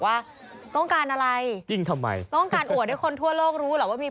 ว่าต้องการอะไรจริงทำไมต้องการอวดให้คนทั่วโลกรู้เหรอว่ามี